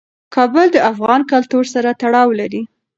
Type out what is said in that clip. کابل د افغان کلتور سره تړاو لري.